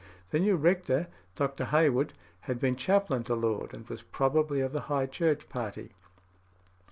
The new rector, Dr. Heywood, had been chaplain to Laud, and was probably of the High Church party.